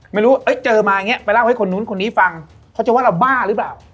ไม่รู้เจอมาอย่างนี้ไปเล่าให้คนนู้นคนนี้ฟังเขาจะว่าเราบ้าหรือเปล่า